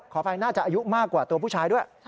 อภัยน่าจะอายุมากกว่าตัวผู้ชายด้วย